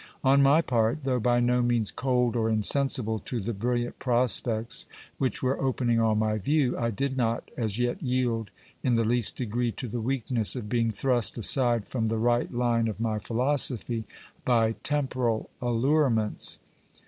On my part, though by no means cold or insensible to the bril liant prospects which were opening on my view, I did not as yet yield in the least degree to the weakness of being thrust aside from the right line of my GIL BLAS DRAWS UP A STATE PAPER. 403 philosophy by temporal allurements.